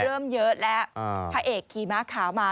เริ่มเยอะแล้วพระเอกขี่ม้าขาวมา